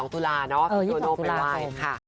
๒๒ตุลาพี่โตโน่เป็นไวน์